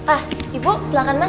ah ibu silakan masuk